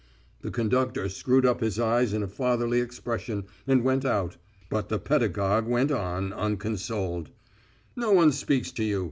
The conductor screwed up his eyes in a fatherly expression, and went out. But the pedagogue went on, unconsoled: "No one speaks to you.